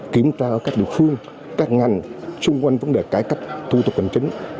kiểm tra ở các địa phương các ngành xung quanh vấn đề cải cách thủ tục hành chính